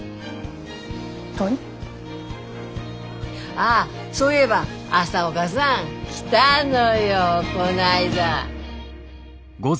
ああそういえば朝岡さん来たのよこないだ。